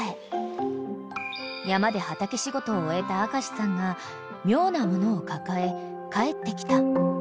［山で畑仕事を終えた明さんが妙なものを抱え帰ってきた］